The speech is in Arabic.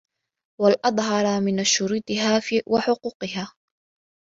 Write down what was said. وَالْأَظْهَرَ مِنْ شُرُوطِهَا وَحُقُوقِهَا